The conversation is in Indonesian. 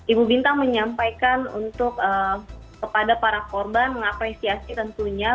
ibu bintang menyampaikan untuk kepada para korban mengapresiasi tentunya